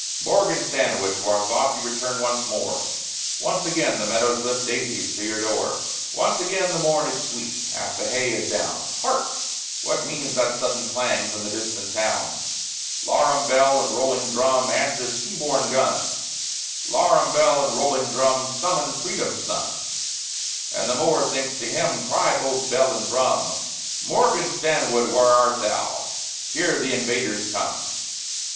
Morgan Stanwood, to our thought You return once more; Once again the meadows lift Daisies to your door. Once again the morn is sweet, Half the hay is down, Hark! what means that sudden clang From the distant town? Larum bell and rolling drum Answer sea borne guns; Larum bell and rolling drum Summon Freedom's sons! And the mower thinks to him Cry both bell and drum, "Morgan Stanwood, where art thou? Here th' invaders come!"